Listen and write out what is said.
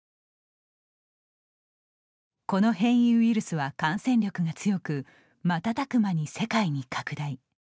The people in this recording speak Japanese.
この変異ウイルスは感染力が強く瞬く間に世界に拡大。